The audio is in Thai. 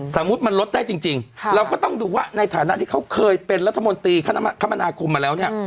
สมมุติมันลดได้จริงเราก็ต้องดูว่าในฐานะที่เขาเคยเป็นรัฐมนตรีคมนาคมมาแล้วเนี่ย